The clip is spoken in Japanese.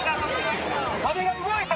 壁が動いた！？